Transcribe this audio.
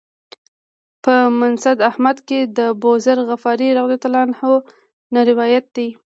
په مسند احمد کې د أبوذر غفاري رضی الله عنه نه روایت دی.